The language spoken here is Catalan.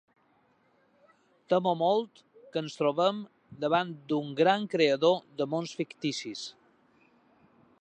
Temo molt que ens trobem davant d'un gran creador de mons ficticis.